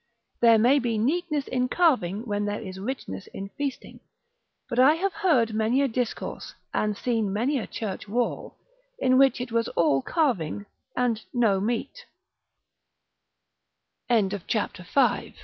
There may be neatness in carving when there is richness in feasting; but I have heard many a discourse, and seen many a church wall, in which it was all carving and